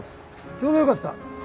ちょうどよかった。